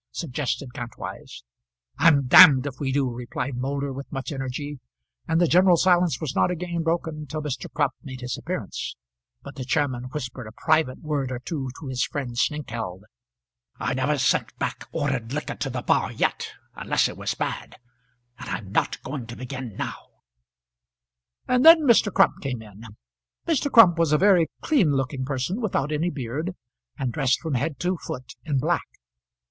suggested Kantwise. "I'm d if we do!" replied Moulder, with much energy; and the general silence was not again broken till Mr. Crump made his appearance; but the chairman whispered a private word or two to his friend Snengkeld. "I never sent back ordered liquor to the bar yet, unless it was bad; and I'm not going to begin now." And then Mr. Crump came in. Mr. Crump was a very clean looking person, without any beard; and dressed from head to foot in black.